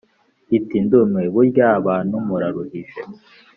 iti "ndumiwe burya abantu muraruhije.